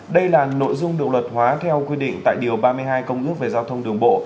đây là nội dung được luật hóa theo quy định tại điều ba mươi hai công ước về giao thông đường bộ